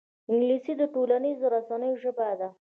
انګلیسي د ټولنیزو رسنیو ژبه ده